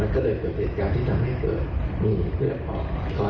แล้วก็เลยเกิดพืชการที่ทำให้เบื้องมีเหลือออกมาก